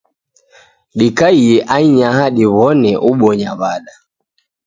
Dikaie ainyaha diw'one ubonya w'ada